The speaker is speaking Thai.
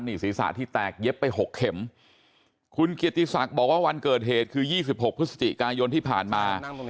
นี่ศีรษะที่แตกเย็บไป๖เข็มคุณเกียรติศักดิ์บอกว่าวันเกิดเหตุคือ๒๖พฤศจิกายนที่ผ่านมา